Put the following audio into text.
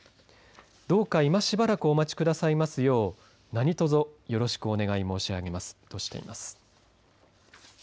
どうか今しばらくお待ちくださいますよう何とぞよろしくお願い申し上げますとしています。